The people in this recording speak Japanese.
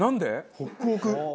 ホックホク。